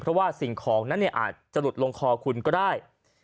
เพราะว่าสิ่งของนั้นอาจจะหลุดลงคอคุณก็ได้